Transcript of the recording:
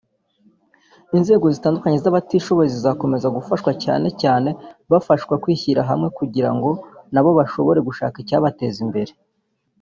inzego zitandukanye z’abatishoboye zizakomeza gufashwa cyane cyane bafashwa kwishyirahamwe kugira ngo nabo bashobore gushaka ibyabateza imbere